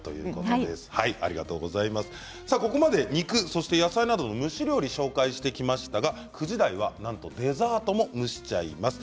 ここまで肉そして野菜などの蒸し料理を紹介してきましたが、９時台はなんとデザートも紹介しちゃいます。